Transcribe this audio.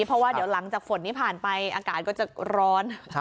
เพราะว่าเดี๋ยวหลังจากฝนนี้ผ่านไปอากาศก็จะร้อน